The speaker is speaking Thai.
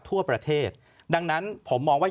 ทั่วประเทศดังนั้นผมมองว่า